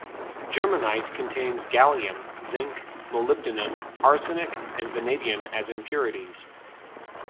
Germanite contains gallium, zinc, molybdenum, arsenic, and vanadium as impurities.